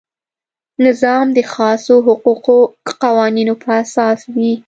نظام د خاصو حقوقي قوانینو په اساس وي.